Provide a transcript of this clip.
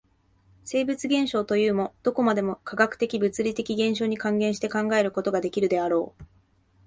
生物現象というも、どこまでも化学的物理的現象に還元して考えることができるであろう。